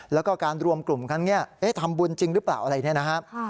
แล้วก็การรวมกลุ่มครั้งนี้ทำบุญจริงหรือเปล่าอะไรเนี่ยนะครับ